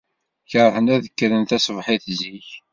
Keṛhent ad d-nekrent taṣebḥit zik.